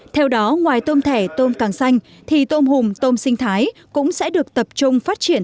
theo đó ngoài tôm thẻ tôm càng xanh thì tôm hùm tôm sinh thái cũng sẽ được tập trung phát triển